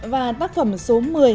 và tác phẩm số một mươi